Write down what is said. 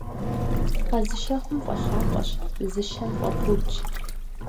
Къэзыщэхум фӀэлъапӀэщ, зыщэм фӀэпудщ.